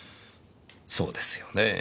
そうですよね。